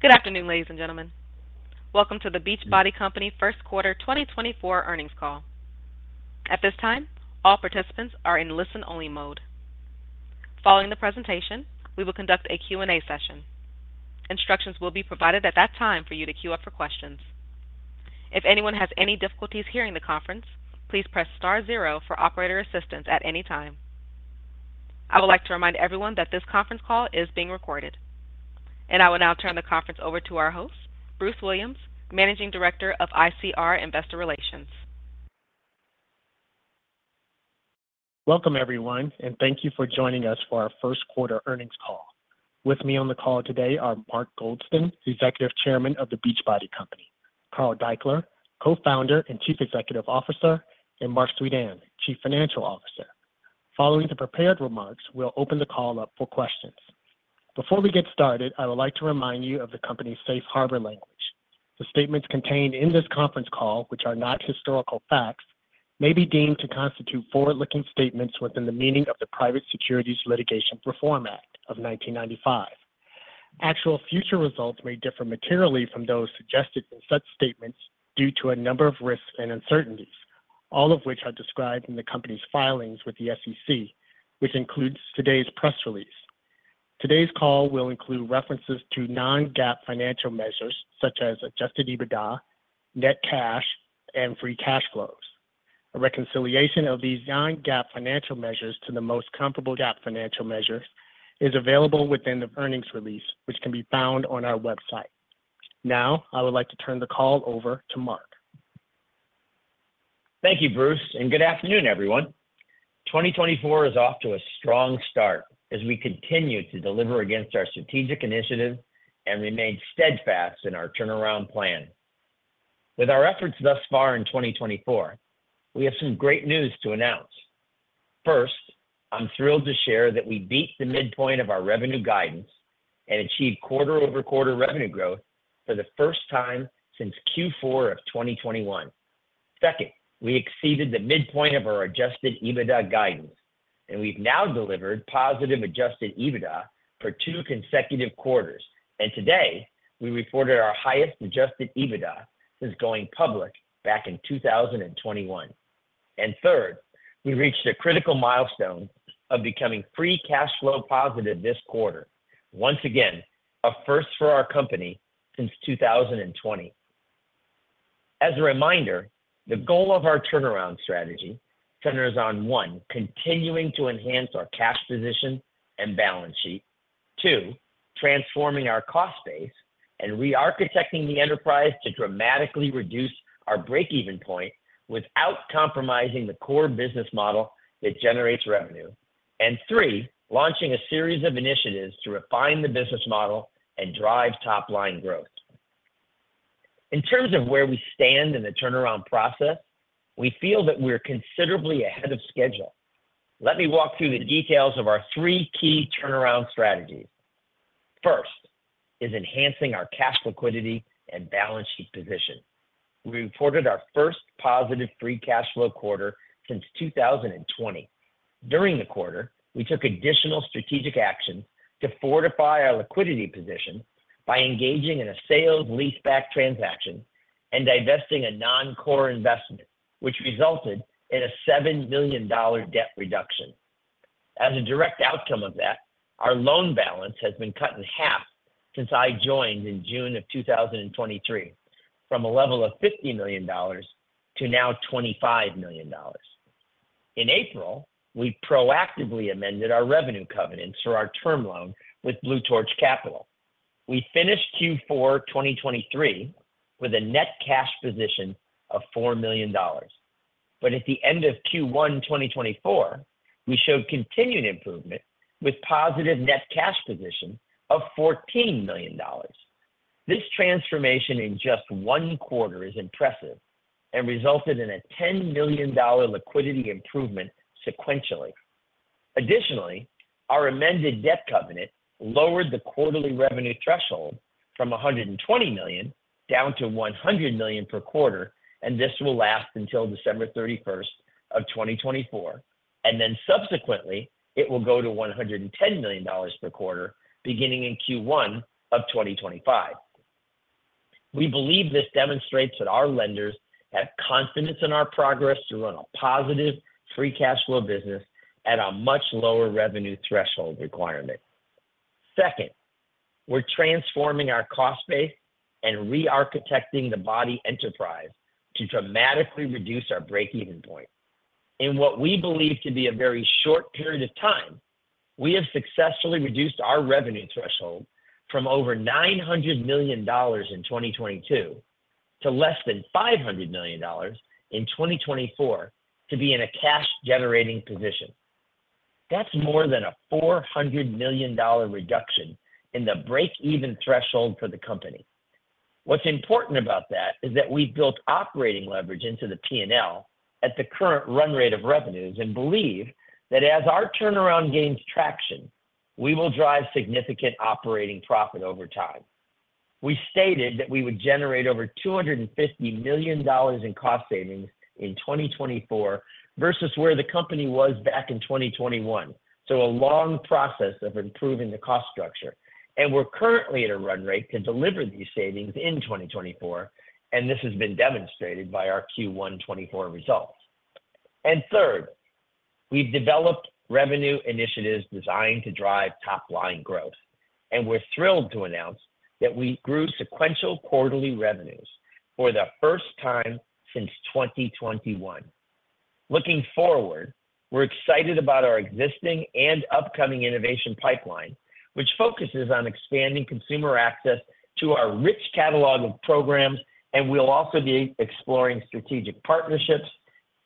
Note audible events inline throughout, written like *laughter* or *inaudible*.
Good afternoon, ladies and gentlemen. Welcome to The Beachbody Company First Quarter 2024 Earnings Call. At this time, all participants are in listen-only mode. Following the presentation, we will conduct a Q&A session. Instructions will be provided at that time for you to queue up for questions. If anyone has any difficulties hearing the conference, please press star zero for operator assistance at any time. I would like to remind everyone that this conference call is being recorded. I will now turn the conference over to our host, Bruce Williams, Managing Director of ICR Investor Relations. Welcome, everyone, and thank you for joining us for our first quarter earnings call. With me on the call today are Mark Goldston, Executive Chairman of The Beachbody Company; Carl Daikeler, Co-founder and Chief Executive Officer; and Marc Suidan, Chief Financial Officer. Following the prepared remarks, we'll open the call up for questions. Before we get started, I would like to remind you of the company's safe harbor language. The statements contained in this conference call, which are not historical facts, may be deemed to constitute forward-looking statements within the meaning of the Private Securities Litigation Reform Act of 1995. Actual future results may differ materially from those suggested in such statements due to a number of risks and uncertainties, all of which are described in the company's filings with the SEC, which includes today's press release. Today's call will include references to non-GAAP financial measures such as Adjusted EBITDA, net cash, and free cash flows. A reconciliation of these non-GAAP financial measures to the most comparable GAAP financial measures is available within the earnings release, which can be found on our website. Now, I would like to turn the call over to Mark. Thank you, Bruce, and good afternoon, everyone. 2024 is off to a strong start as we continue to deliver against our strategic initiative and remain steadfast in our turnaround plan. With our efforts thus far in 2024, we have some great news to announce. First, I'm thrilled to share that we beat the midpoint of our revenue guidance and achieved quarter-over-quarter revenue growth for the first time since Q4 of 2021. Second, we exceeded the midpoint of our Adjusted EBITDA guidance, and we've now delivered positive Adjusted EBITDA for two consecutive quarters. And today, we reported our highest Adjusted EBITDA since going public back in 2021. And third, we reached a critical milestone of becoming free cash flow positive this quarter. Once again, a first for our company since 2020. As a reminder, the goal of our turnaround strategy centers on, one, continuing to enhance our cash position and balance sheet. Two, transforming our cost base and re-architecting the enterprise to dramatically reduce our break-even point without compromising the core business model that generates revenue. And three, launching a series of initiatives to refine the business model and drive top-line growth. In terms of where we stand in the turnaround process, we feel that we're considerably ahead of schedule. Let me walk through the details of our three key turnaround strategies. First is enhancing our cash liquidity and balance sheet position. We reported our first positive free cash flow quarter since 2020. During the quarter, we took additional strategic action to fortify our liquidity position by engaging in a sale-leaseback transaction and divesting a non-core investment, which resulted in a $7 million debt reduction. As a direct outcome of that, our loan balance has been cut in half since I joined in June of 2023, from a level of $50 million to now $25 million. In April, we proactively amended our revenue covenants for our term loan with Blue Torch Capital. We finished Q4 2023 with a net cash position of $4 million, but at the end of Q1 2024, we showed continued improvement with positive net cash position of $14 million. This transformation in just one quarter is impressive and resulted in a $10 million liquidity improvement sequentially. Additionally, our amended debt covenant lowered the quarterly revenue threshold from $120 million down to $100 million per quarter, and this will last until December 31, 2024, and then subsequently, it will go to $110 million per quarter, beginning in Q1 of 2025. We believe this demonstrates that our lenders have confidence in our progress to run a positive free cash flow business at a much lower revenue threshold requirement. Second, we're transforming our cost base and re-architecting the BODi enterprise to dramatically reduce our break-even point. In what we believe to be a very short period of time, we have successfully reduced our revenue threshold from over $900 million in 2022 to less than $500 million in 2024 to be in a cash-generating position. That's more than a $400 million reduction in the break-even threshold for the company. What's important about that is that we've built operating leverage into the P&L at the current run rate of revenues and believe that as our turnaround gains traction, we will drive significant operating profit over time... We stated that we would generate over $250 million in cost savings in 2024 versus where the company was back in 2021. So a long process of improving the cost structure, and we're currently at a run rate to deliver these savings in 2024, and this has been demonstrated by our Q1 2024 results. And third, we've developed revenue initiatives designed to drive top-line growth, and we're thrilled to announce that we grew sequential quarterly revenues for the first time since 2021. Looking forward, we're excited about our existing and upcoming innovation pipeline, which focuses on expanding consumer access to our rich catalog of programs, and we'll also be exploring strategic partnerships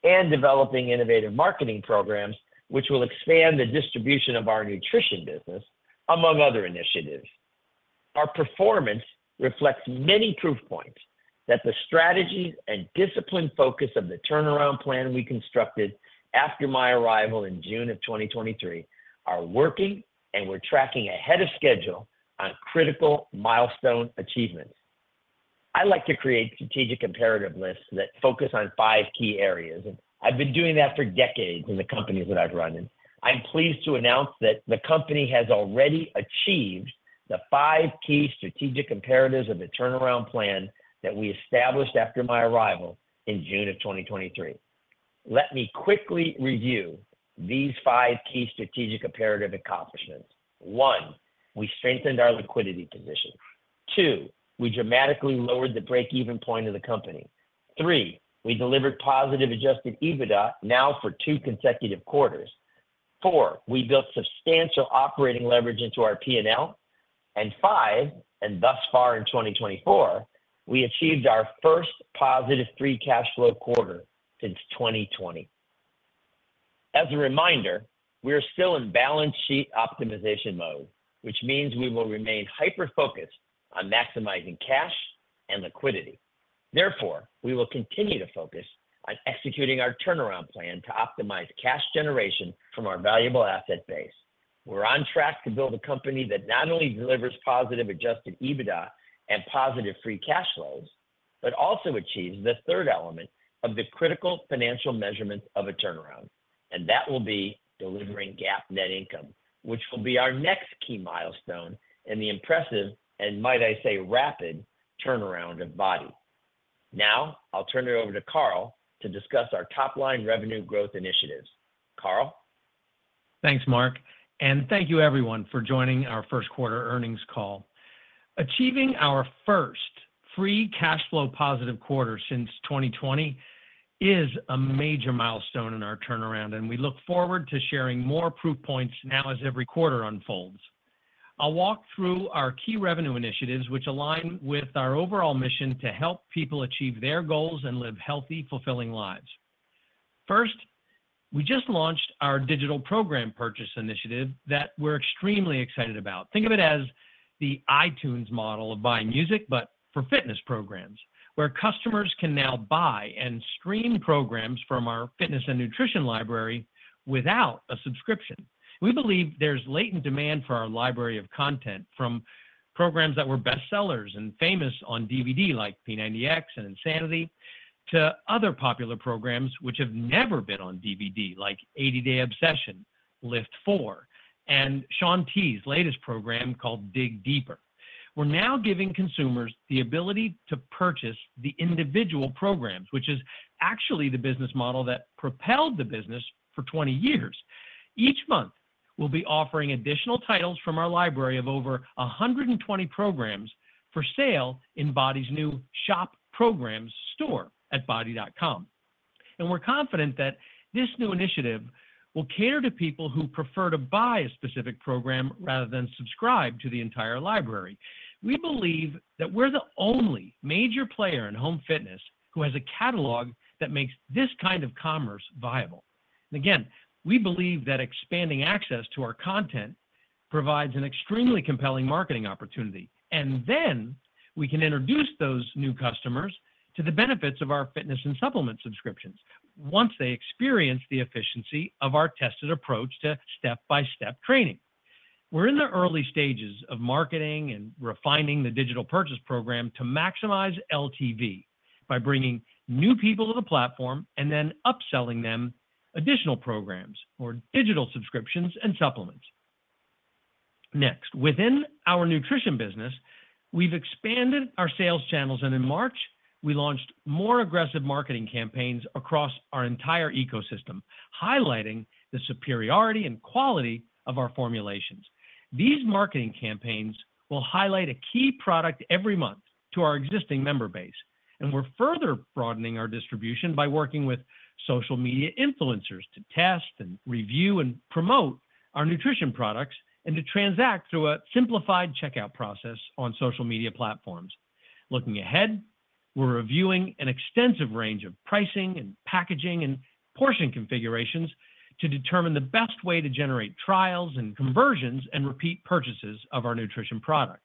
and developing innovative marketing programs, which will expand the distribution of our nutrition business, among other initiatives. Our performance reflects many proof points that the strategies and disciplined focus of the turnaround plan we constructed after my arrival in June 2023 are working, and we're tracking ahead of schedule on critical milestone achievements. I like to create strategic imperative lists that focus on five key areas, and I've been doing that for decades in the companies that I've run, and I'm pleased to announce that the company has already achieved the five key strategic imperatives of the turnaround plan that we established after my arrival in June 2023. Let me quickly review these five key strategic imperative accomplishments. One, we strengthened our liquidity position. Two, we dramatically lowered the break-even point of the company. Three, we delivered positive Adjusted EBITDA now for two consecutive quarters. Four, we built substantial operating leverage into our P&L, and five, and thus far in 2024, we achieved our first positive free cash flow quarter since 2020. As a reminder, we are still in balance sheet optimization mode, which means we will remain hyper-focused on maximizing cash and liquidity. Therefore, we will continue to focus on executing our turnaround plan to optimize cash generation from our valuable asset base. We're on track to build a company that not only delivers positive Adjusted EBITDA and positive free cash flows, but also achieves the third element of the critical financial measurements of a turnaround, and that will be delivering GAAP net income, which will be our next key milestone in the impressive, and might I say, rapid, turnaround of BODi. Now, I'll turn it over to Carl to discuss our top-line revenue growth initiatives. Carl? Thanks, Mark, and thank you, everyone, for joining our first quarter earnings call. Achieving our first free cash flow positive quarter since 2020 is a major milestone in our turnaround, and we look forward to sharing more proof points now as every quarter unfolds. I'll walk through our key revenue initiatives, which align with our overall mission to help people achieve their goals and live healthy, fulfilling lives. First, we just launched our digital program purchase initiative that we're extremely excited about. Think of it as the iTunes model of buying music, but for fitness programs, where customers can now buy and stream programs from our fitness and nutrition library without a subscription. We believe there's latent demand for our library of content, from programs that were bestsellers and famous on DVD, like P90X and Insanity, to other popular programs which have never been on DVD, like 80 Day Obsession, LIIFT4, and Shaun T's latest program called Dig Deeper. We're now giving consumers the ability to purchase the individual programs, which is actually the business model that propelled the business for 20 years. Each month, we'll be offering additional titles from our library of over 120 programs for sale in BODi's new Shop Programs store at BODi.com. We're confident that this new initiative will cater to people who prefer to buy a specific program rather than subscribe to the entire library. We believe that we're the only major player in home fitness who has a catalog that makes this kind of commerce viable. And again, we believe that expanding access to our content provides an extremely compelling marketing opportunity, and then we can introduce those new customers to the benefits of our fitness and supplement subscriptions, once they experience the efficiency of our tested approach to step-by-step training. We're in the early stages of marketing and refining the digital purchase program to maximize LTV by bringing new people to the platform and then upselling them additional programs or digital subscriptions and supplements. Next, within our nutrition business, we've expanded our sales channels, and in March, we launched more aggressive marketing campaigns across our entire ecosystem, highlighting the superiority and quality of our formulations. These marketing campaigns will highlight a key product every month to our existing member base, and we're further broadening our distribution by working with social media influencers to test and review and promote our nutrition products and to transact through a simplified checkout process on social media platforms. Looking ahead, we're reviewing an extensive range of pricing and packaging and portion configurations to determine the best way to generate trials and conversions and repeat purchases of our nutrition products.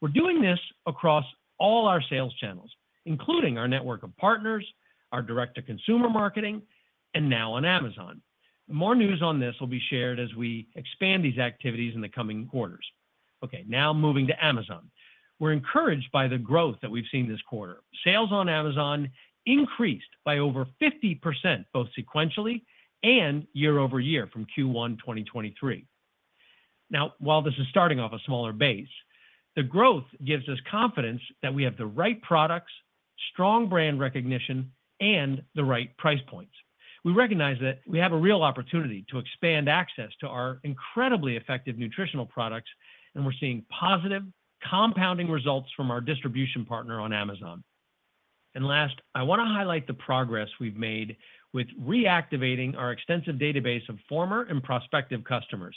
We're doing this across all our sales channels, including our network of partners, our direct-to-consumer marketing, and now on Amazon. More news on this will be shared as we expand these activities in the coming quarters. Okay, now moving to Amazon. We're encouraged by the growth that we've seen this quarter. Sales on Amazon increased by over 50%, both sequentially and year-over-year from Q1 2023. Now, while this is starting off a smaller base, the growth gives us confidence that we have the right products, strong brand recognition, and the right price points. We recognize that we have a real opportunity to expand access to our incredibly effective nutritional products, and we're seeing positive compounding results from our distribution partner on Amazon. And last, I wanna highlight the progress we've made with reactivating our extensive database of former and prospective customers.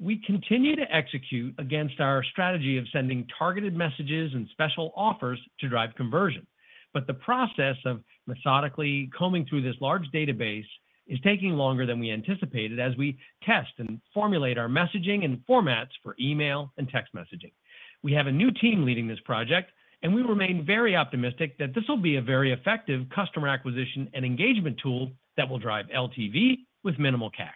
We continue to execute against our strategy of sending targeted messages and special offers to drive conversion. But the process of methodically combing through this large database is taking longer than we anticipated as we test and formulate our messaging and formats for email and text messaging. We have a new team leading this project, and we remain very optimistic that this will be a very effective customer acquisition and engagement tool that will drive LTV with minimal CAC.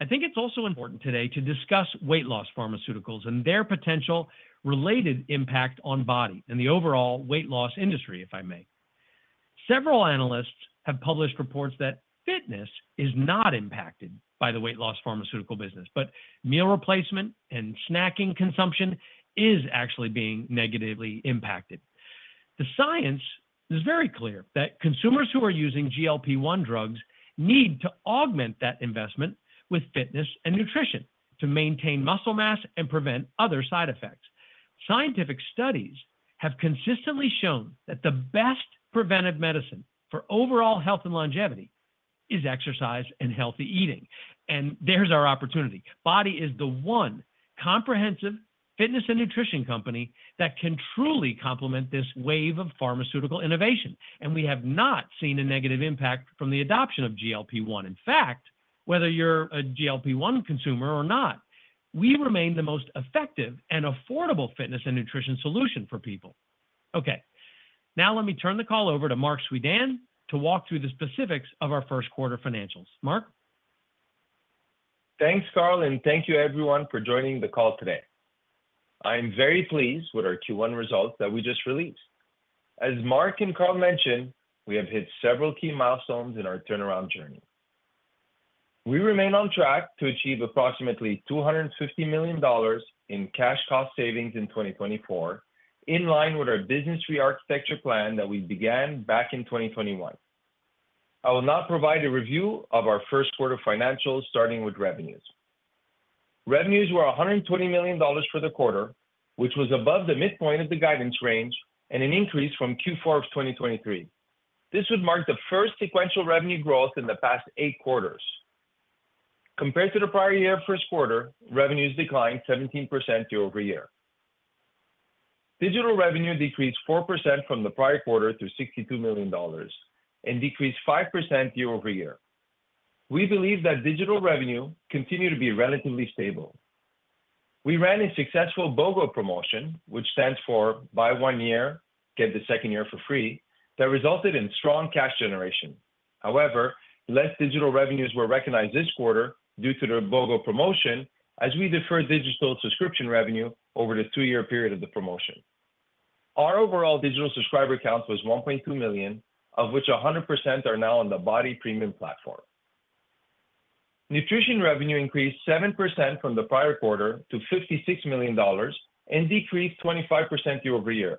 I think it's also important today to discuss weight loss pharmaceuticals and their potential related impact on BODi and the overall weight loss industry, if I may. Several analysts have published reports that fitness is not impacted by the weight loss pharmaceutical business, but meal replacement and snacking consumption is actually being negatively impacted. The science is very clear that consumers who are using GLP-1 drugs need to augment that investment with fitness and nutrition to maintain muscle mass and prevent other side effects. Scientific studies have consistently shown that the best preventive medicine for overall health and longevity is exercise and healthy eating, and there's our opportunity. BODi is the one comprehensive fitness and nutrition company that can truly complement this wave of pharmaceutical innovation, and we have not seen a negative impact from the adoption of GLP-1. In fact, whether you're a GLP-1 consumer or not, we remain the most effective and affordable fitness and nutrition solution for people. Okay, now let me turn the call over to Marc Suidan to walk through the specifics of our first quarter financials. Marc? Thanks, Carl, and thank you everyone for joining the call today. I am very pleased with our Q1 results that we just released. As Mark and Carl mentioned, we have hit several key milestones in our turnaround journey. We remain on track to achieve approximately $250 million in cash cost savings in 2024, in line with our business re-architecture plan that we began back in 2021. I will now provide a review of our first quarter financials, starting with revenues. Revenues were $120 million for the quarter, which was above the midpoint of the guidance range and an increase from Q4 of 2023. This would mark the first sequential revenue growth in the past eight quarters. Compared to the prior year first quarter, revenues declined 17% year-over-year. Digital revenue decreased 4% from the prior quarter to $62 million and decreased 5% year-over-year. We believe that digital revenue continue to be relatively stable. We ran a successful BOGO promotion, which stands for buy one year, get the second year for free, that resulted in strong cash generation. However, less digital revenues were recognized this quarter due to the BOGO promotion as we deferred digital subscription revenue over the two-year period of the promotion. Our overall digital subscriber count was 1.2 million, of which 100% are now on the BODi Premium platform. Nutrition revenue increased 7% from the prior quarter to $56 million and decreased 25% year-over-year.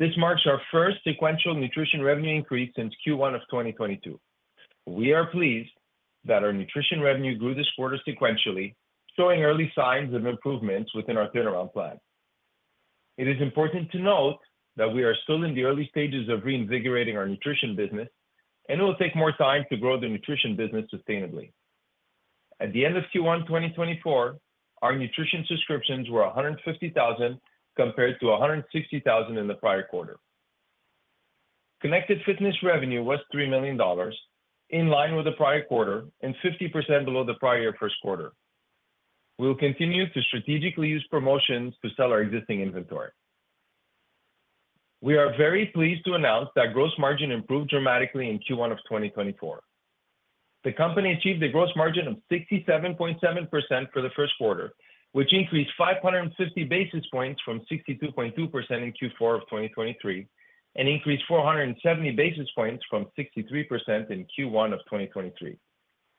This marks our first sequential nutrition revenue increase since Q1 of 2022. We are pleased that our nutrition revenue grew this quarter sequentially, showing early signs of improvements within our turnaround plan. It is important to note that we are still in the early stages of reinvigorating our nutrition business, and it will take more time to grow the nutrition business sustainably. At the end of Q1 2024, our nutrition subscriptions were 150,000, compared to 160,000 in the prior quarter. Connected fitness revenue was $3 million, in line with the prior quarter and 50% below the prior year first quarter. We will continue to strategically use promotions to sell our existing inventory. We are very pleased to announce that gross margin improved dramatically in Q1 of 2024. The company achieved a gross margin of 67.7% for the first quarter, which increased 550 basis points from 62.2% in Q4 of 2023, and increased 470 basis points from 63% in Q1 of 2023.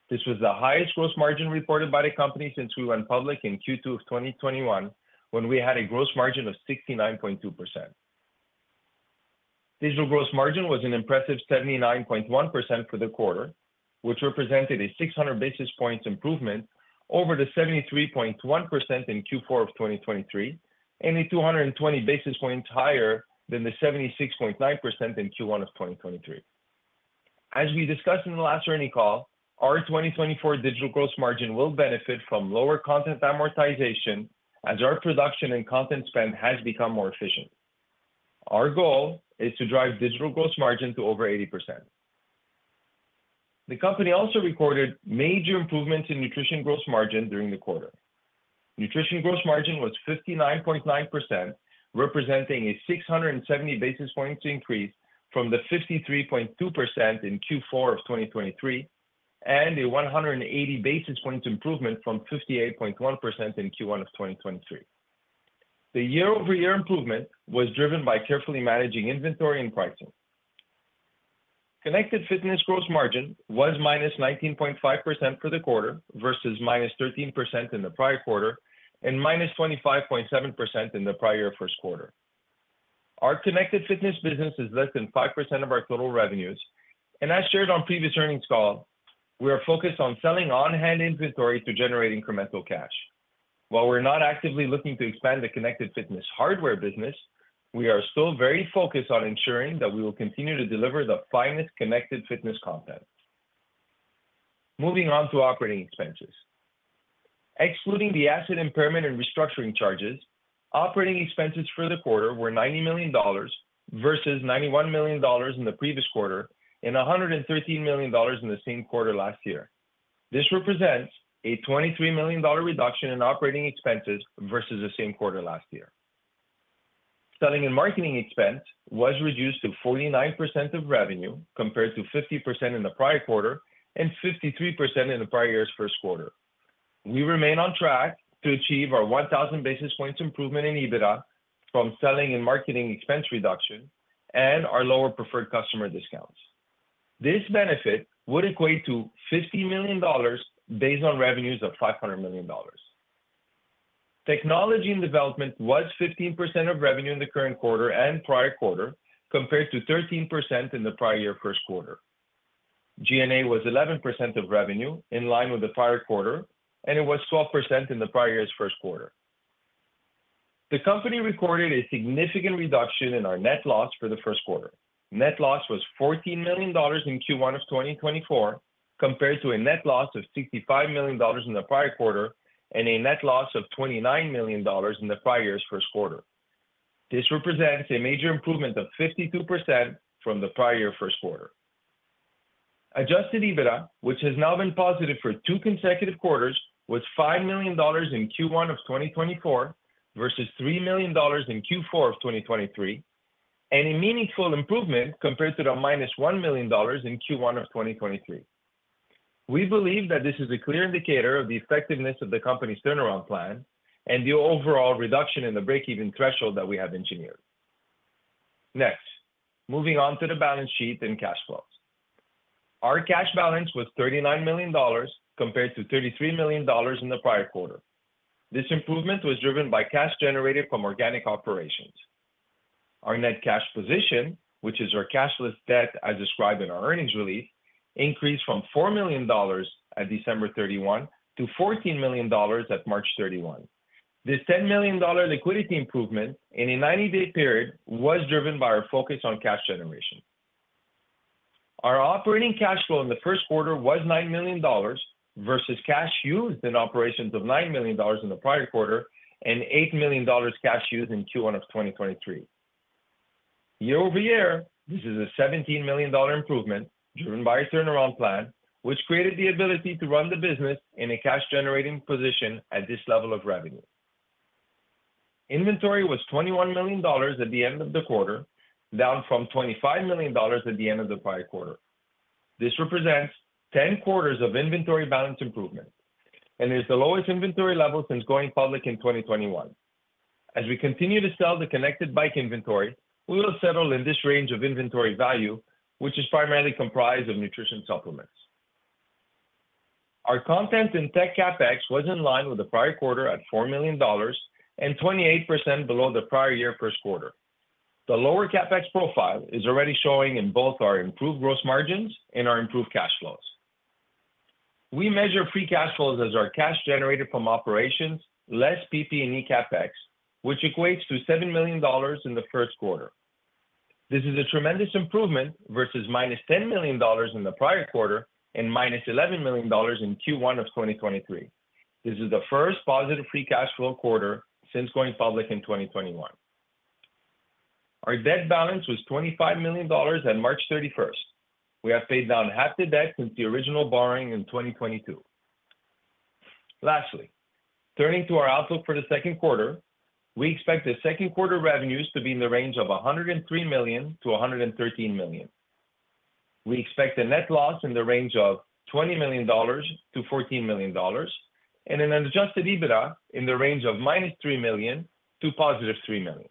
This was the highest gross margin reported by the company since we went public in Q2 of 2021, when we had a gross margin of 69.2%. Digital gross margin was an impressive 79.1% for the quarter, which represented a 600 basis points improvement over the 73.1% in Q4 of 2023, and a 220 basis points higher than the 76.9% in Q1 of 2023. As we discussed in the last earnings call, our 2024 digital gross margin will benefit from lower content amortization as our production and content spend has become more efficient. Our goal is to drive digital gross margin to over 80%. The company also recorded major improvements in nutrition gross margin during the quarter. Nutrition gross margin was 59.9%, representing a 670 basis points increase from the 53.2% in Q4 of 2023, and a 180 basis points improvement from 58.1% in Q1 of 2023. The year-over-year improvement was driven by carefully managing inventory and pricing. Connected Fitness gross margin was -19.5% for the quarter versus -13% in the prior quarter, and -25.7% in the prior first quarter. Our Connected Fitness business is less than 5% of our total revenues, and as shared on previous earnings call, we are focused on selling on-hand inventory to generate incremental cash. While we're not actively looking to expand the Connected Fitness hardware business, we are still very focused on ensuring that we will continue to deliver the finest Connected Fitness content. Moving on to operating expenses. Excluding the asset impairment and restructuring charges, operating expenses for the quarter were $90 million, versus $91 million in the previous quarter, and $113 million in the same quarter last year. This represents a $23 million reduction in operating expenses versus the same quarter last year. Selling and marketing expense was reduced to 49% of revenue, compared to 50% in the prior quarter and 53% in the prior year's first quarter. We remain on track to achieve our 1,000 basis points improvement in EBITDA from selling and marketing expense reduction and our lower preferred customer discounts. This benefit would equate to $50 million based on revenues of $500 million. Technology and development was 15% of revenue in the current quarter and prior quarter, compared to 13% in the prior year first quarter. G&A was 11% of revenue, in line with the prior quarter, and it was 12% in the prior year's first quarter. The company recorded a significant reduction in our net loss for the first quarter. Net loss was $14 million in Q1 of 2024, compared to a net loss of $65 million in the prior quarter and a net loss of $29 million in the prior year's first quarter. This represents a major improvement of 52% from the prior year first quarter. Adjusted EBITDA, which has now been positive for two consecutive quarters, was $5 million in Q1 of 2024, versus $3 million in Q4 of 2023, and a meaningful improvement compared to the -$1 million in Q1 of 2023. We believe that this is a clear indicator of the effectiveness of the company's turnaround plan and the overall reduction in the break-even threshold that we have engineered. Next, moving on to the balance sheet and cash flows. Our cash balance was $39 million, compared to $33 million in the prior quarter. This improvement was driven by cash generated from organic operations. Our net cash position, which is our cash less debt, as described in our earnings release, increased from $4 million at December 31 to $14 million at March 31. This $10 million liquidity improvement in a 90-day period was driven by our focus on cash generation. Our operating cash flow in the first quarter was $9 million, versus cash used in operations of $9 million in the prior quarter, and $8 million cash used in Q1 of 2023. Year-over-year, this is a $17 million improvement driven by our turnaround plan, which created the ability to run the business in a cash-generating position at this level of revenue. Inventory was $21 million at the end of the quarter, down from $25 million at the end of the prior quarter. This represents 10 quarters of inventory balance improvement and is the lowest inventory level since going public in 2021. As we continue to sell the Connected Bike inventory, we will settle in this range of inventory value, which is primarily comprised of nutrition supplements. Our content and tech CapEx was in line with the prior quarter at $4 million and 28% below the prior year first quarter. The lower CapEx profile is already showing in both our improved gross margins and our improved cash flows. We measure free cash flows as our cash generated from operations less PP&E CapEx, which equates to $7 million in the first quarter. This is a tremendous improvement versus -$10 million in the prior quarter and -$11 million in Q1 of 2023. This is the first positive free cash flow quarter since going public in 2021. Our debt balance was $25 million on March 31. We have paid down half the debt since the original borrowing in 2022. Lastly, turning to our outlook for the second quarter, we expect the second quarter revenues to be in the range of $103 million-$113 million. We expect a net loss in the range of $20 million to $14 million, and an adjusted EBITDA in the range of -$3 million to +$3 million.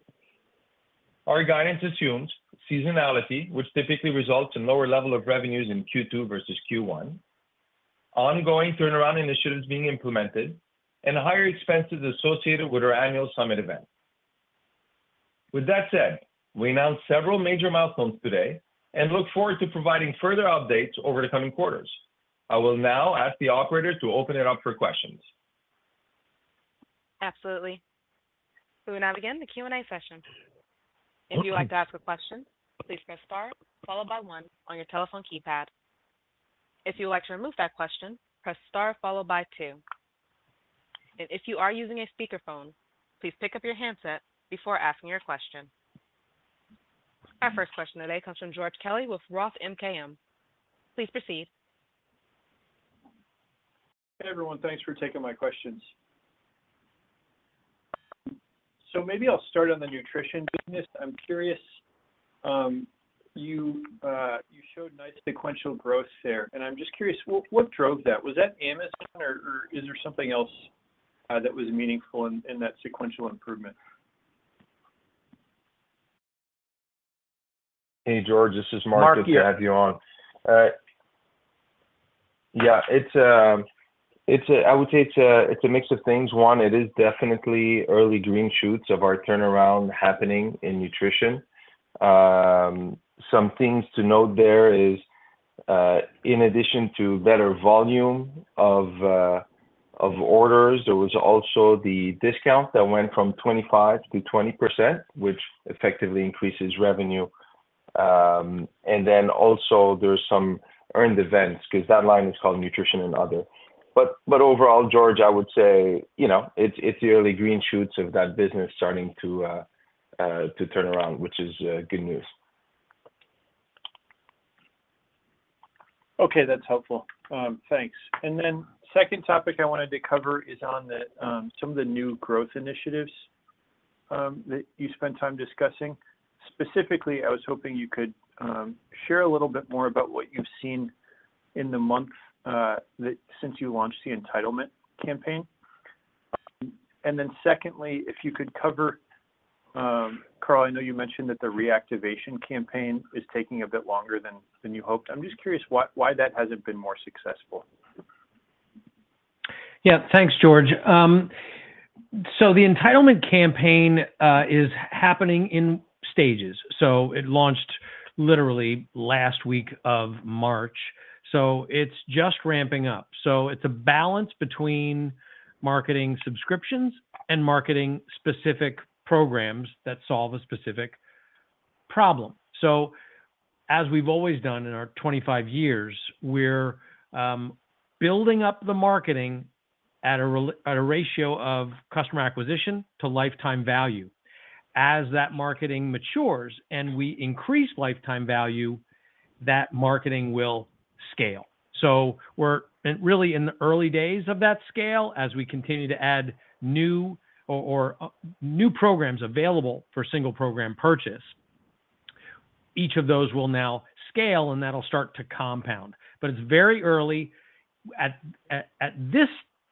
Our guidance assumes seasonality, which typically results in lower level of revenues in Q2 versus Q1, ongoing turnaround initiatives being implemented, and higher expenses associated with our annual summit event. With that said, we announced several major milestones today and look forward to providing further updates over the coming quarters. I will now ask the operator to open it up for questions. Absolutely. We will now begin the Q&A session. If you'd like to ask a question, please press star followed by one on your telephone keypad. If you'd like to remove that question, press star followed by two. And if you are using a speakerphone, please pick up your handset before asking your question. Our first question today comes from George Kelly with Roth MKM. Please proceed. Hey, everyone. Thanks for taking my questions. So maybe I'll start on the nutrition business. I'm curious, you showed nice sequential growth there, and I'm just curious, what drove that? Was that Amazon or is there something else that was meaningful in that sequential improvement? Hey, George, this is Marc. Marc. Good to have you on. Yeah, it's a mix of things. One, it is definitely early green shoots of our turnaround happening in nutrition. Some things to note there is, in addition to better volume of orders, there was also the discount that went from 25% to 20%, which effectively increases revenue. And then also there's some earned events, 'cause that line is called nutrition and other. But overall, George, I would say, you know, it's the early green shoots of that business starting to turn around, which is good news. Okay, that's helpful. Thanks. And then second topic I wanted to cover is on some of the new growth initiatives that you spent time discussing. Specifically, I was hoping you could share a little bit more about what you've seen in the months since you launched the entitlement campaign. And then secondly, if you could cover Carl, I know you mentioned that the reactivation campaign is taking a bit longer than you hoped. I'm just curious why that hasn't been more successful? Yeah. Thanks, George. So the entitlement campaign is happening in stages. So it launched literally last week of March, so it's just ramping up. So it's a balance between marketing subscriptions and marketing specific programs that solve a specific problem. So as we've always done in our 25 years, we're building up the marketing at a ratio of customer acquisition to lifetime value. As that marketing matures and we increase lifetime value, that marketing will scale. So we're really in the early days of that scale, as we continue to add new or new programs available for single program purchase, each of those will now scale, and that'll start to compound. But it's very early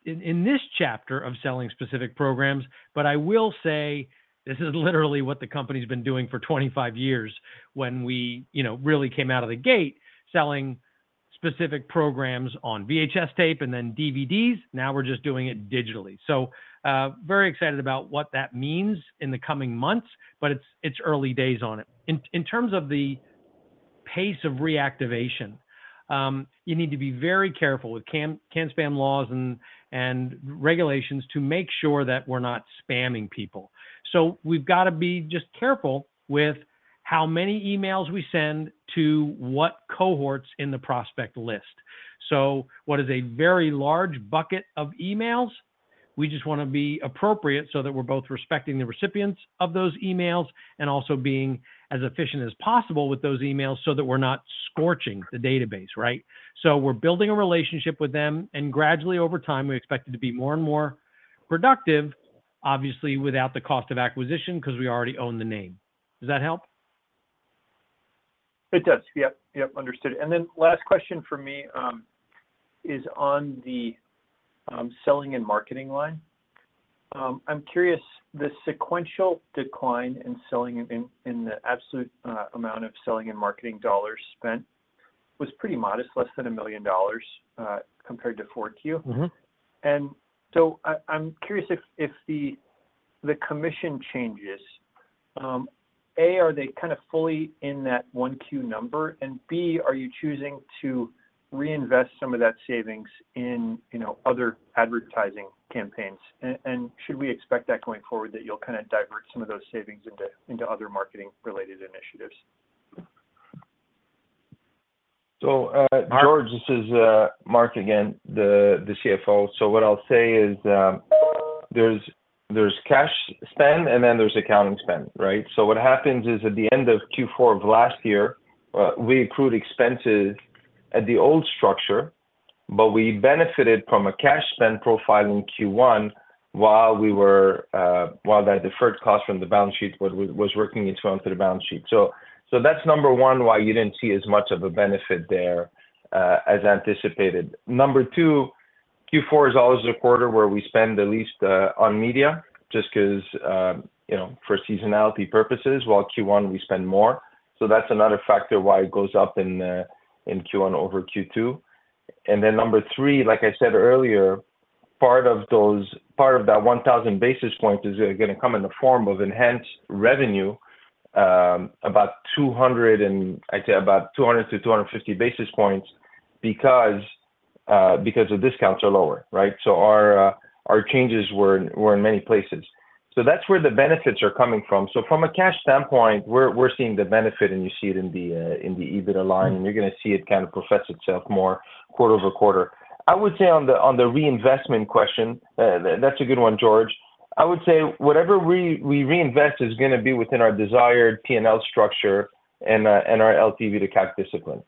in this chapter of selling specific programs. But I will say this is literally what the company's been doing for 25 years when we, you know, really came out of the gate selling specific programs on VHS tape and then DVDs. Now we're just doing it digitally. So, very excited about what that means in the coming months, but it's, it's early days on it. In terms of the pace of reactivation, you need to be very careful with CAN-SPAM laws and regulations to make sure that we're not spamming people. So we've got to be just careful with how many emails we send to what cohorts in the prospect list. So what is a very large bucket of emails? We just wanna be appropriate so that we're both respecting the recipients of those emails and also being as efficient as possible with those emails so that we're not scorching the database, right? So we're building a relationship with them, and gradually, over time, we expect it to be more and more productive, obviously, without the cost of acquisition, 'cause we already own the name. Does that help? It does. Yep, yep, understood. And then last question for me, is on the selling and marketing line. I'm curious, the sequential decline in selling in, in the absolute amount of selling and marketing dollars spent was pretty modest, less than $1 million, compared to 4Q. Mm-hmm. And so, I'm curious if the commission changes. A, are they kind of fully in that one Q number? And B, are you choosing to reinvest some of that savings in, you know, other advertising campaigns? And should we expect that going forward, that you'll kind of divert some of those savings into other marketing related initiatives? So, George, this is Marc again, the CFO. So what I'll say is, there's cash spend, and then there's accounting spend, right? So what happens is, at the end of Q4 of last year, we accrued expenses at the old structure, but we benefited from a cash spend profile in Q1 while we were while that deferred cost from the balance sheet was working into onto the balance sheet. So that's number one, why you didn't see as much of a benefit there as anticipated. Number two, Q4 is always the quarter where we spend the least on media, just 'cause you know, for seasonality purposes, while Q1, we spend more. So that's another factor why it goes up in Q1 over Q2. And then number three, like I said earlier, part of that 1000 basis points is gonna come in the form of enhanced revenue, about 200 to 250 basis points because the discounts are lower, right? So our changes were in many places. So that's where the benefits are coming from. So from a cash standpoint, we're seeing the benefit, and you see it in the EBITDA line, and you're gonna see it kind of profess itself more quarter-over-quarter. I would say on the reinvestment question, that's a good one, George. I would say whatever we reinvest is gonna be within our desired P&L structure and our LTV to CAC discipline.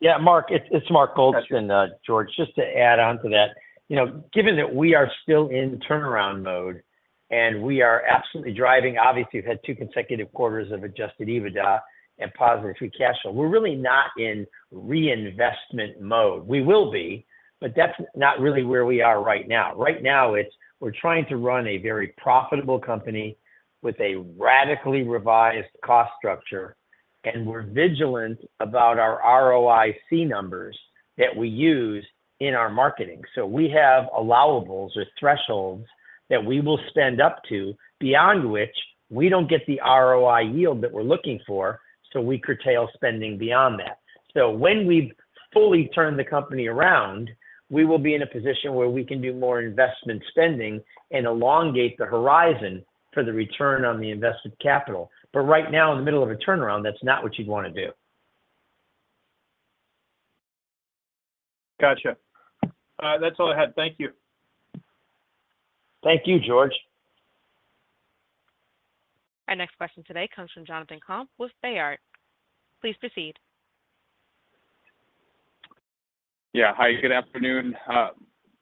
Yeah, Mark, it's Mark Goldston, George. Just to add on to that, you know, given that we are still in the turnaround mode, and we are absolutely driving, obviously, we've had two consecutive quarters of Adjusted EBITDA and positive free cash flow. We're really not in reinvestment mode. We will be, but that's not really where we are right now. Right now, it's we're trying to run a very profitable company with a radically revised cost structure, and we're vigilant about our ROIC numbers that we use in our marketing. So we have allowables or thresholds that we will spend up to, beyond which we don't get the ROI yield that we're looking for, so we curtail spending beyond that. When we've fully turned the company around, we will be in a position where we can do more investment spending and elongate the horizon for the return on the invested capital. But right now, in the middle of a turnaround, that's not what you'd wanna do. Gotcha. That's all I had. Thank you. Thank you, George. Our next question today comes from Jonathan Komp with Baird. Please proceed. Yeah. Hi, good afternoon.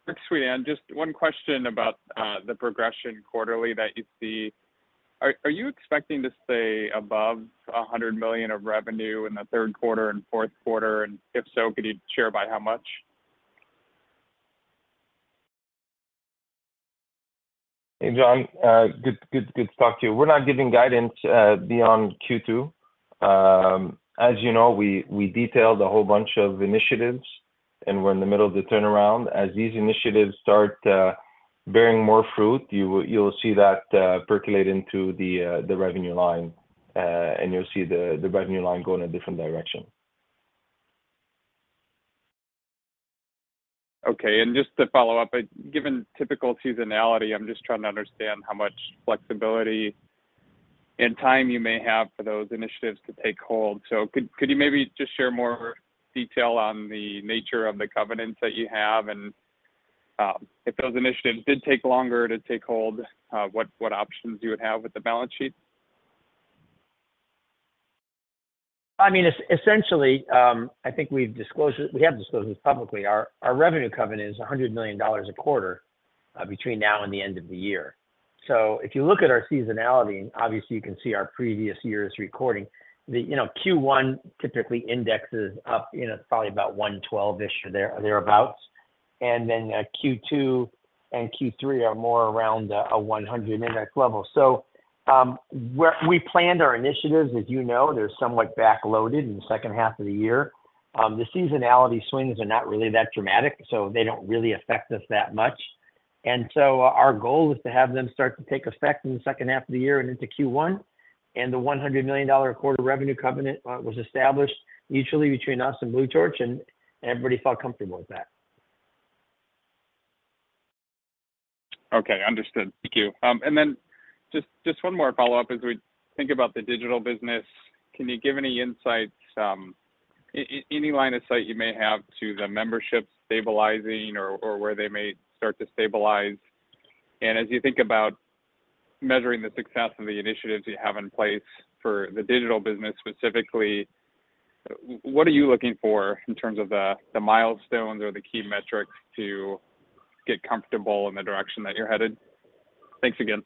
First, *inaudible* just one question about the projected quarterly that you see. Are you expecting to stay above $100 million of revenue in the third quarter and fourth quarter? And if so, could you share by how much? Hey, Jon, good to talk to you. We're not giving guidance beyond Q2. As you know, we detailed a whole bunch of initiatives, and we're in the middle of the turnaround. As these initiatives start bearing more fruit, you'll see that percolate into the revenue line, and you'll see the revenue line go in a different direction. Okay, and just to follow up, given typical seasonality, I'm just trying to understand how much flexibility and time you may have for those initiatives to take hold. So could you maybe just share more detail on the nature of the covenants that you have, and if those initiatives did take longer to take hold, what options you would have with the balance sheet? I mean, essentially, I think we've disclosed it. We have disclosed this publicly. Our revenue covenant is $100 million a quarter, between now and the end of the year. So if you look at our seasonality, and obviously you can see our previous years' recording, you know, Q1 typically indexes up, you know, probably about 112-ish or thereabout. And then, Q2 and Q3 are more around a 100 index level. So, we planned our initiatives, as you know, they're somewhat backloaded in the second half of the year. The seasonality swings are not really that dramatic, so they don't really affect us that much. Our goal is to have them start to take effect in the second half of the year and into Q1, and the $100 million quarter revenue covenant was established mutually between us and Blue Torch, and everybody felt comfortable with that. Okay, understood. Thank you. And then just, just one more follow-up as we think about the digital business. Can you give any insights, any line of sight you may have to the membership stabilizing or, or where they may start to stabilize? And as you think about measuring the success of the initiatives you have in place for the digital business, specifically, what are you looking for in terms of the, the milestones or the key metrics to get comfortable in the direction that you're headed? Thanks again.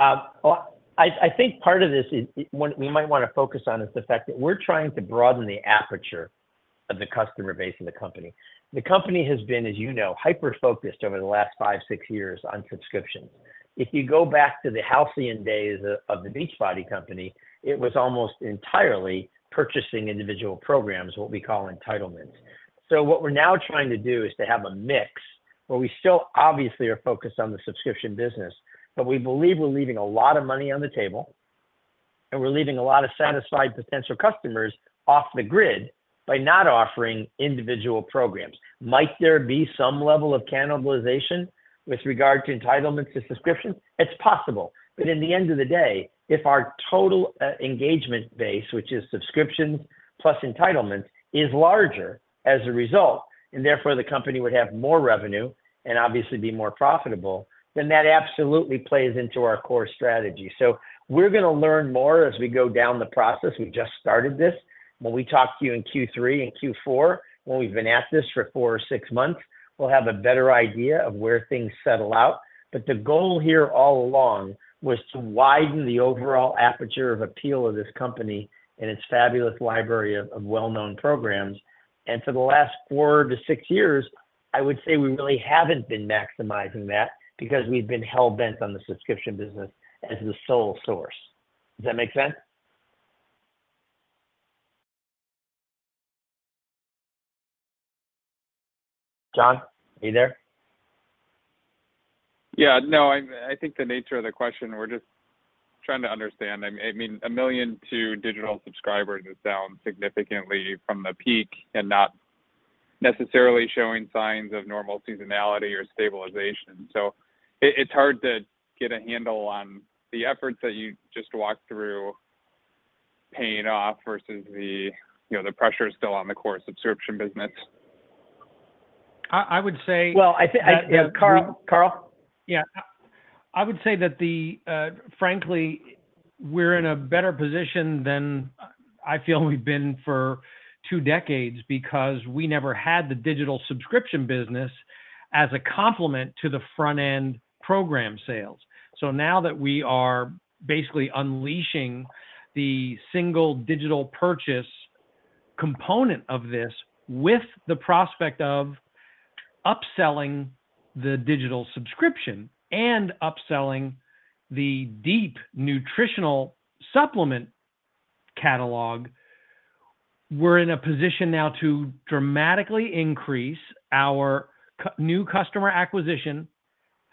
Well, I think part of this is, what we might wanna focus on, is the fact that we're trying to broaden the aperture of the customer base in the company. The company has been, as you know, hyper-focused over the last five, six years on subscriptions. If you go back to the halcyon days of the Beachbody Company, it was almost entirely purchasing individual programs, what we call entitlements. So what we're now trying to do is to have a mix, where we still obviously are focused on the subscription business, but we believe we're leaving a lot of money on the table, and we're leaving a lot of satisfied potential customers off the grid by not offering individual programs. Might there be some level of cannibalization with regard to entitlements to subscriptions? It's possible. But in the end of the day, if our total engagement base, which is subscriptions plus entitlements, is larger as a result, and therefore, the company would have more revenue and obviously be more profitable, then that absolutely plays into our core strategy. So we're gonna learn more as we go down the process. We just started this. When we talk to you in Q3 and Q4, when we've been at this for four or six months, we'll have a better idea of where things settle out. But the goal here all along was to widen the overall aperture of appeal of this company and its fabulous library of well-known programs. And for the last four to six years, I would say we really haven't been maximizing that because we've been hell-bent on the subscription business as the sole source. Does that make sense? Jon, are you there? Yeah, no, I think the nature of the question, we're just trying to understand. I mean, 1 million to digital subscribers is down significantly from the peak and not necessarily showing signs of normal seasonality or stabilization. So it, it's hard to get a handle on the efforts that you just walked through paying off versus the, you know, the pressure is still on the core subscription business? I would say... Well, I think, Carl? Yeah. I would say that the, frankly, we're in a better position than I feel we've been for two decades, because we never had the digital subscription business as a complement to the front-end program sales. So now that we are basically unleashing the single digital purchase component of this, with the prospect of upselling the digital subscription and upselling the deep nutritional supplement catalog, we're in a position now to dramatically increase our new customer acquisition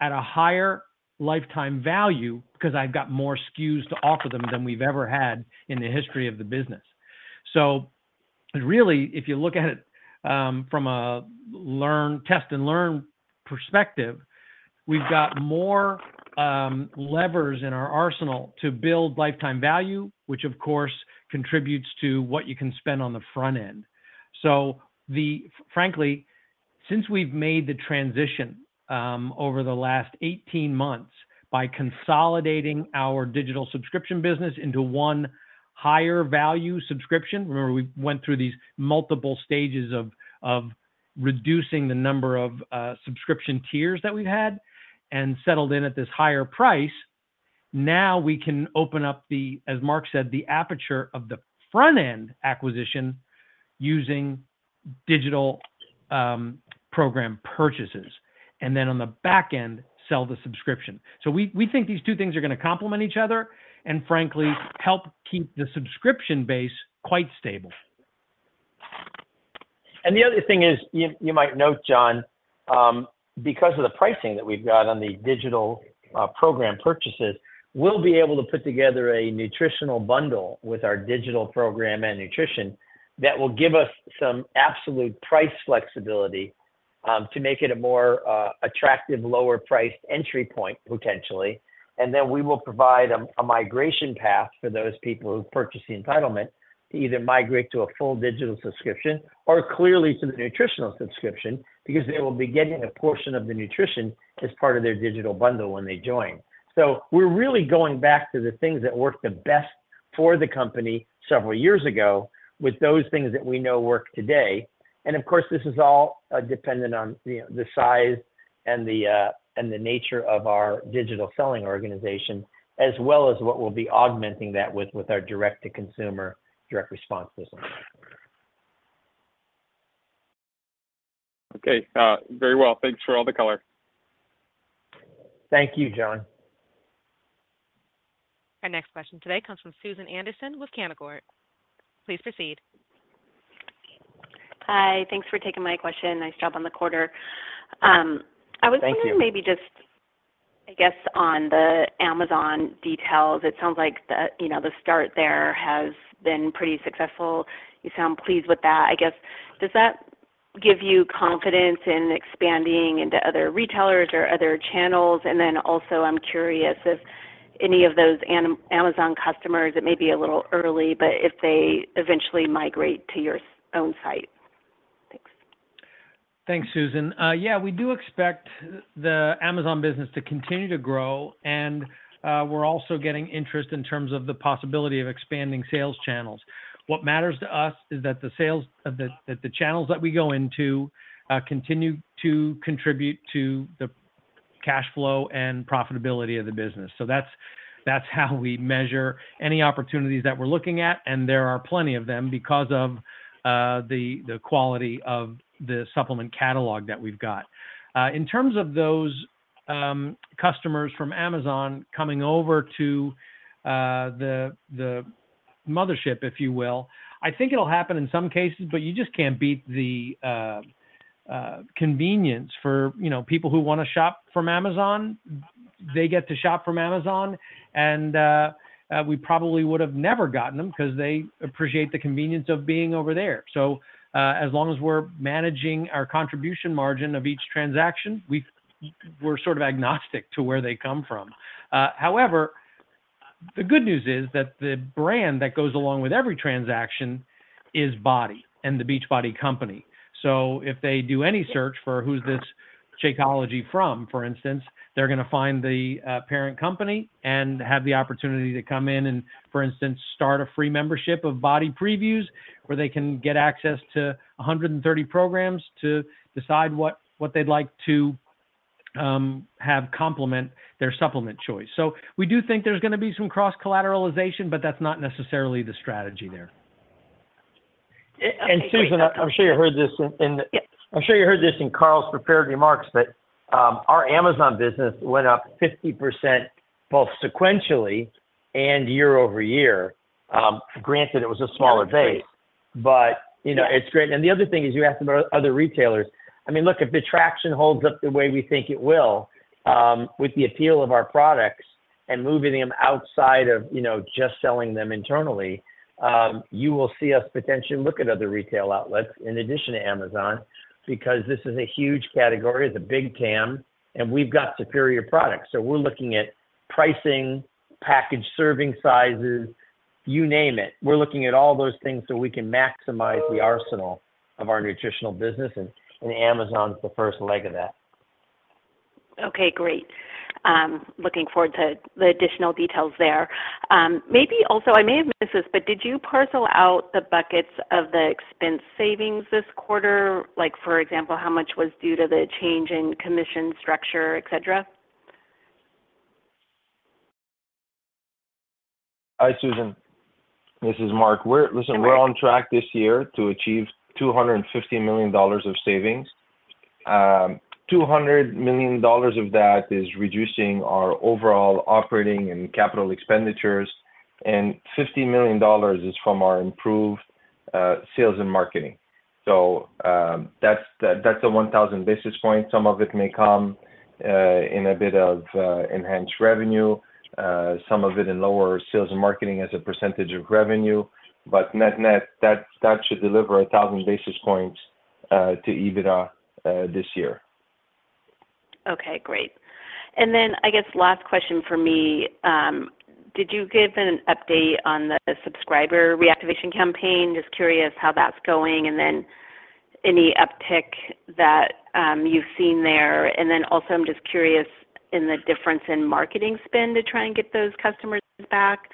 at a higher lifetime value, 'cause I've got more SKUs to offer them than we've ever had in the history of the business. So really, if you look at it, from a test-and-learn perspective, we've got more levers in our arsenal to build lifetime value, which of course, contributes to what you can spend on the front end. Frankly, since we've made the transition over the last 18 months by consolidating our digital subscription business into one higher value subscription, remember, we went through these multiple stages of reducing the number of subscription tiers that we've had, and settled in at this higher price. Now we can open up the, as Mark said, "the aperture of the front-end acquisition using digital program purchases," and then on the back end, sell the subscription. So we think these two things are gonna complement each other, and frankly, help keep the subscription base quite stable. And the other thing is, you might note, Jon, because of the pricing that we've got on the digital program purchases, we'll be able to put together a nutritional bundle with our digital program and nutrition, that will give us some absolute price flexibility, to make it a more attractive, lower priced entry point, potentially. And then we will provide a migration path for those people who purchase the entitlement, to either migrate to a full digital subscription, or clearly to the nutritional subscription, because they will be getting a portion of the nutrition as part of their digital bundle when they join. So we're really going back to the things that worked the best for the company several years ago, with those things that we know work today. Of course, this is all dependent on, you know, the size and the nature of our digital selling organization, as well as what we'll be augmenting that with our direct to consumer, direct response business. Okay, very well. Thanks for all the color. Thank you, Jon. Our next question today comes from Susan Anderson with Canaccord. Please proceed. Hi, thanks for taking my question. Nice job on the quarter. I was- Thank you -wondering maybe just, I guess, on the Amazon details, it sounds like the, you know, the start there has been pretty successful. You sound pleased with that. I guess, does that give you confidence in expanding into other retailers or other channels? And then also, I'm curious if any of those Amazon customers, it may be a little early, but if they eventually migrate to your own site. Thanks. Thanks, Susan. Yeah, we do expect the Amazon business to continue to grow, and we're also getting interest in terms of the possibility of expanding sales channels. What matters to us is that the sales that the channels that we go into continue to contribute to the cash flow and profitability of the business. So that's, that's how we measure any opportunities that we're looking at, and there are plenty of them, because of the quality of the supplement catalog that we've got. In terms of those customers from Amazon coming over to the mothership, if you will, I think it'll happen in some cases, but you just can't beat the convenience for, you know, people who wanna shop from Amazon. They get to shop from Amazon, and we probably would have never gotten them, 'cause they appreciate the convenience of being over there. So, as long as we're managing our contribution margin of each transaction, we're sort of agnostic to where they come from. However, the good news is that the brand that goes along with every transaction is BODi, and the Beachbody company. So if they do any search for who's this Shakeology from, for instance, they're gonna find the parent company and have the opportunity to come in and, for instance, start a free membership of BODi Previews, where they can get access to 130 programs to decide what they'd like to have complement their supplement choice. So we do think there's gonna be some cross-collateralization, but that's not necessarily the strategy there. Susan, I'm sure you heard this in, in- Yes. I'm sure you heard this in Carl's prepared remarks, that, our Amazon business went up 50%, both sequentially and year-over-year. Granted it was a smaller base, but you know, it's great. And the other thing is, you asked about other retailers. I mean, look, if the traction holds up the way we think it will, with the appeal of our products and moving them outside of, you know, just selling them internally, you will see us potentially look at other retail outlets in addition to Amazon, because this is a huge category, it's a big TAM, and we've got superior products. So we're looking at pricing, package serving sizes. You name it, we're looking at all those things so we can maximize the arsenal of our nutritional business, and Amazon's the first leg of that. Okay, great. Looking forward to the additional details there. Maybe also, I may have missed this, but did you parcel out the buckets of the expense savings this quarter? Like, for example, how much was due to the change in commission structure, et cetera? Hi, Susan. This is Marc. Listen, we're on track this year to achieve $250 million of savings. $200 million of that is reducing our overall operating and capital expenditures, and $50 million is from our improved sales and marketing. So, that's the, that's the 1,000 basis points. Some of it may come in a bit of enhanced revenue, some of it in lower sales and marketing as a percentage of revenue. But net-net, that, that should deliver 1,000 basis points to EBITDA this year. Okay, great. And then, I guess last question for me, did you give an update on the subscriber reactivation campaign? Just curious how that's going, and then any uptick that, you've seen there. And then also I'm just curious in the difference in marketing spend to try and get those customers back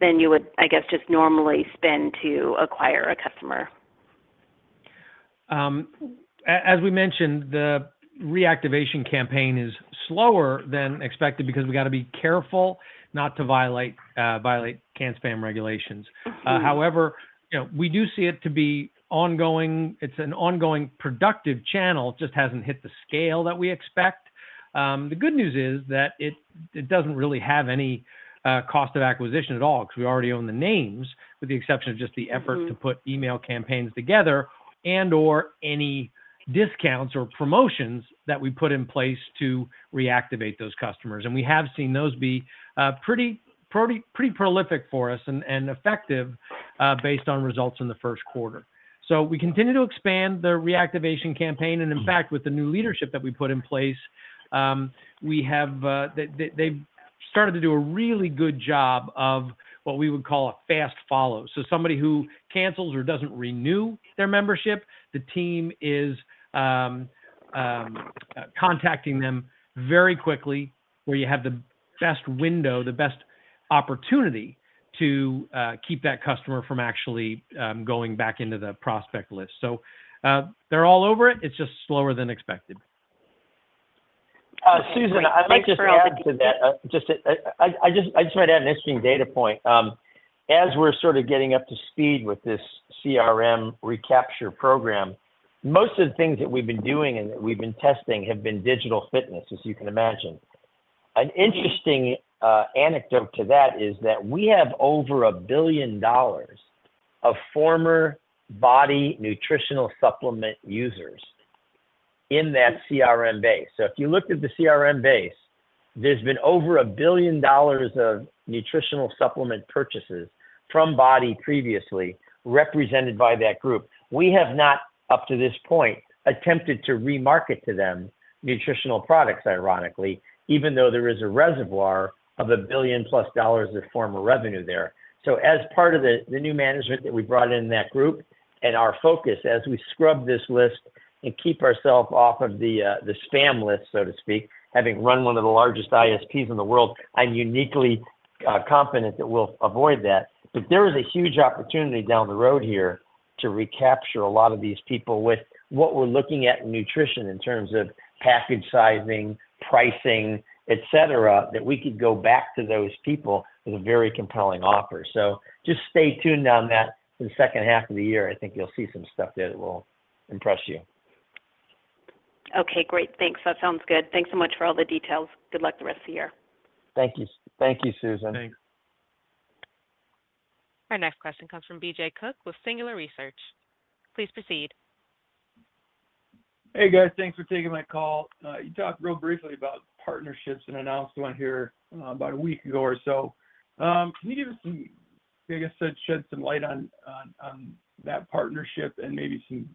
than you would, I guess, just normally spend to acquire a customer. As we mentioned, the reactivation campaign is slower than expected because we got to be careful not to violate CAN-SPAM regulations. However, you know, we do see it to be ongoing. It's an ongoing productive channel, just hasn't hit the scale that we expect. The good news is that it, it doesn't really have any, cost of acquisition at all, because we already own the names, with the exception of just the effort to put email campaigns together and/or any discounts or promotions that we put in place to reactivate those customers. We have seen those be pretty prolific for us and effective based on results in the first quarter. We continue to expand the reactivation campaign, and in fact, with the new leadership that we put in place, we have, they've started to do a really good job of what we would call a fast follow. Somebody who cancels or doesn't renew their membership, the team is contacting them very quickly, where you have the best window, the best opportunity to keep that customer from actually going back into the prospect list. They're all over it. It's just slower than expected. Susan, I'd like just to add to that. I just might add an interesting data point. As we're sort of getting up to speed with this CRM recapture program, most of the things that we've been doing and that we've been testing have been digital fitness, as you can imagine. An interesting anecdote to that is that we have over $1 billion of former Body nutritional supplement users in that CRM base. So if you looked at the CRM base, there's been over $1 billion of nutritional supplement purchases from Body previously, represented by that group. We have not, up to this point, attempted to remarket to them nutritional products, ironically, even though there is a reservoir of $1 billion-plus of former revenue there. So as part of the new management that we brought in that group and our focus as we scrub this list and keep ourselves off of the spam list, so to speak, having run one of the largest ISPs in the world, I'm uniquely confident that we'll avoid that. But there is a huge opportunity down the road here to recapture a lot of these people with what we're looking at in nutrition, in terms of package sizing, pricing, et cetera, that we could go back to those people with a very compelling offer. So just stay tuned on that for the second half of the year. I think you'll see some stuff there that will impress you. Okay, great. Thanks. That sounds good. Thanks so much for all the details. Good luck the rest of the year. Thank you. Thank you, Susan. Thanks. Our next question comes from B.J. Cook with Singular Research. Please proceed. Hey, guys. Thanks for taking my call. You talked real briefly about partnerships and announced one here, about a week ago or so. Can you give us some, I guess, shed some light on that partnership and maybe some,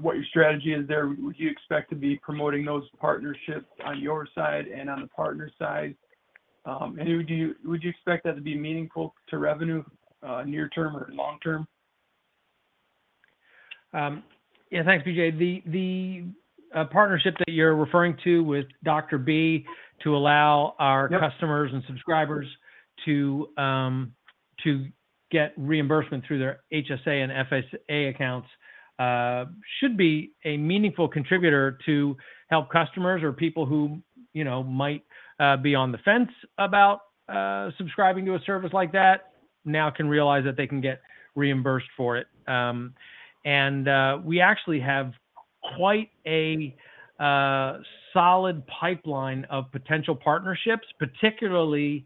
what your strategy is there? Would you expect to be promoting those partnerships on your side and on the partner side? And would you expect that to be meaningful to revenue, near term or long term? Yeah, thanks, BJ. The partnership that you're referring to with Dr. B to allow our customers and subscribers to get reimbursement through their HSA and FSA accounts should be a meaningful contributor to help customers or people who, you know, might be on the fence about subscribing to a service like that, now can realize that they can get reimbursed for it. And we actually have quite a solid pipeline of potential partnerships, particularly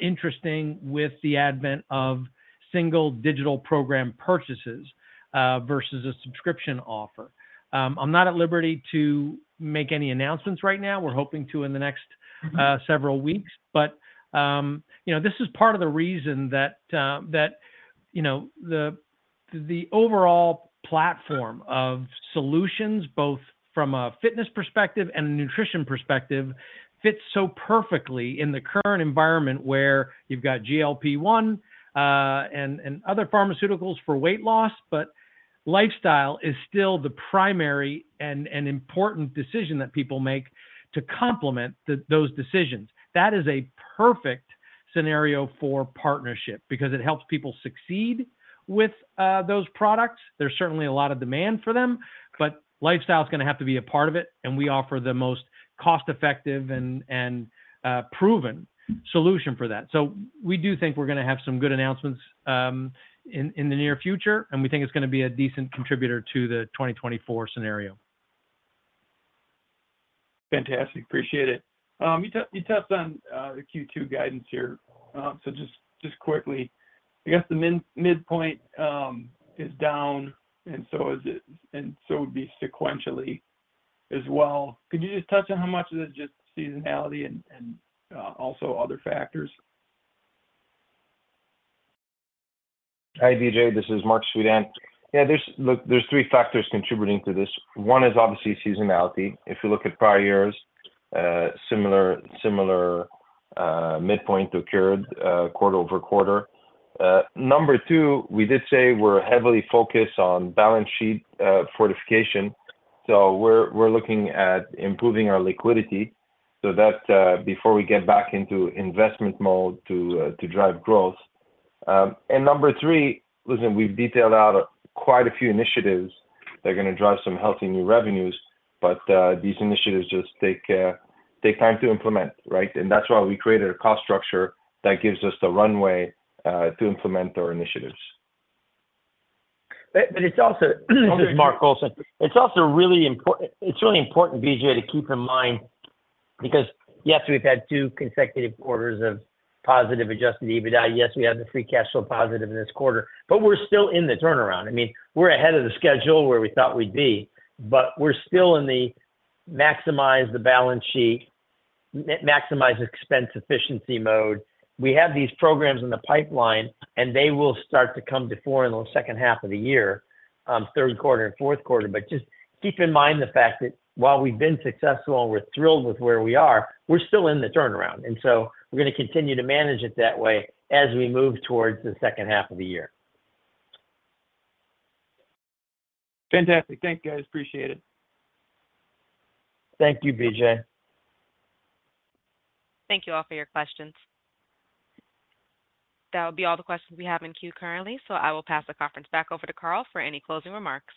interesting with the advent of single digital program purchases versus a subscription offer. I'm not at liberty to make any announcements right now. We're hoping to in the next several weeks. But you know, this is part of the reason that that you know the overall platform of solutions, both from a fitness perspective and a nutrition perspective, fits so perfectly in the current environment where you've got GLP-1, and other pharmaceuticals for weight loss, but lifestyle is still the primary and important decision that people make to complement those decisions. That is a perfect scenario for partnership because it helps people succeed with those products. There's certainly a lot of demand for them, but lifestyle is gonna have to be a part of it, and we offer the most cost-effective and proven solution for that. So we do think we're gonna have some good announcements in the near future, and we think it's gonna be a decent contributor to the 2024 scenario. Fantastic. Appreciate it. You touched on the Q2 guidance here. So just quickly, I guess the midpoint is down, and so is it, and so it'd be sequentially as well. Could you just touch on how much of it is just seasonality and also other factors? Hi, B.J., this is Marc Suidan. Yeah, there's—look, there's three factors contributing to this. One is obviously seasonality. If you look at prior years, similar midpoint occurred quarter-over-quarter. Number two, we did say we're heavily focused on balance sheet fortification. So we're looking at improving our liquidity so that before we get back into investment mode to drive growth. And number three, listen, we've detailed out quite a few initiatives that are gonna drive some healthy new revenues, but these initiatives just take time to implement, right? And that's why we created a cost structure that gives us the runway to implement our initiatives. But it's also, this is Mark Goldston. It's also really important, B.J., to keep in mind, because, yes, we've had two consecutive quarters of positive adjusted EBITDA. Yes, we have the free cash flow positive in this quarter, but we're still in the turnaround. I mean, we're ahead of the schedule where we thought we'd be, but we're still in the maximize the balance sheet, maximize expense efficiency mode. We have these programs in the pipeline, and they will start to come before in the second half of the year, third quarter and fourth quarter. But just keep in mind the fact that while we've been successful, and we're thrilled with where we are, we're still in the turnaround, and so we're gonna continue to manage it that way as we move towards the second half of the year. Fantastic. Thank you, guys. Appreciate it. Thank you, B.J. Thank you all for your questions. That would be all the questions we have in queue currently, so I will pass the conference back over to Carl for any closing remarks.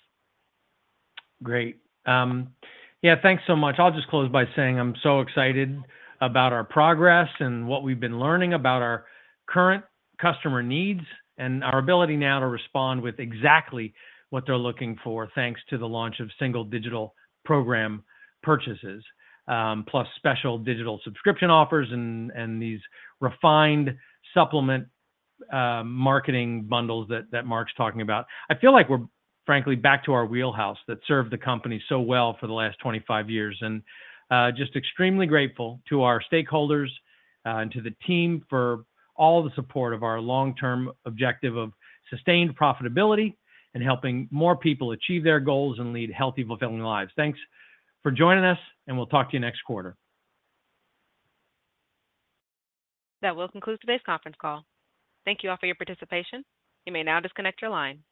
Great. Yeah, thanks so much. I'll just close by saying I'm so excited about our progress and what we've been learning about our current customer needs, and our ability now to respond with exactly what they're looking for, thanks to the launch of single digital program purchases, plus special digital subscription offers and these refined supplement marketing bundles that Mark's talking about. I feel like we're frankly back to our wheelhouse that served the company so well for the last 25 years, and just extremely grateful to our stakeholders and to the team for all the support of our long-term objective of sustained profitability and helping more people achieve their goals and lead healthy, fulfilling lives. Thanks for joining us, and we'll talk to you next quarter. That will conclude today's conference call. Thank you all for your participation. You may now disconnect your line.